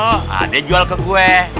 nah dia jual ke gue